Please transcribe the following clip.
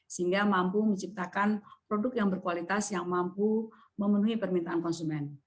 sehingga mampu menciptakan produk yang berkualitas yang mampu memenuhi permintaan konsumen